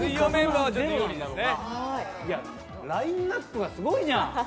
ラインナップがすごいじゃん。